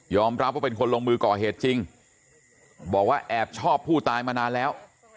รับว่าเป็นคนลงมือก่อเหตุจริงบอกว่าแอบชอบผู้ตายมานานแล้ว